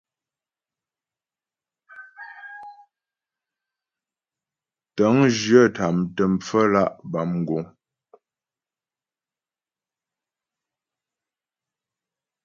Tə̂ŋjyə tâmtə pfəmlǎ' bâ mguŋ.